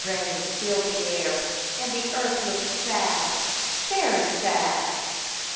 5 rain filled the air, and the earth looked sad, very sad.